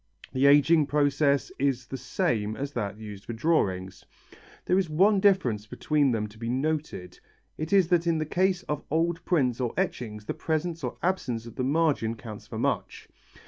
The ageing process is the same as that used for drawings. There is one difference between them to be noted, it is that in the case of old prints or etchings the presence or absence of the margin counts for much.